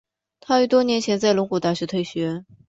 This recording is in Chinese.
他于多年前在龙谷大学退学。